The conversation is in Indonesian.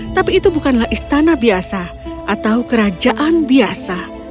tapi itu bukanlah istana biasa atau kerajaan biasa